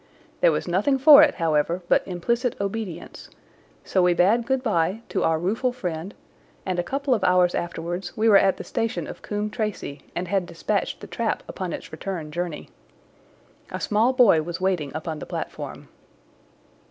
There was nothing for it, however, but implicit obedience; so we bade good bye to our rueful friend, and a couple of hours afterwards we were at the station of Coombe Tracey and had dispatched the trap upon its return journey. A small boy was waiting upon the platform.